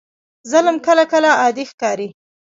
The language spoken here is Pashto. ظلم کله کله عادي ښکاري.